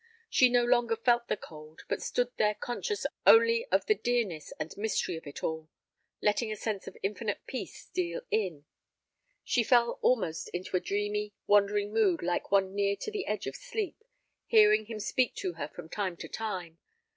She no longer felt the cold, but stood there conscious only of the dearness and mystery of it all, letting a sense of infinite peace steal in. She fell almost into a dreamy, wandering mood like one near to the edge of sleep, hearing him speak to her from time to time.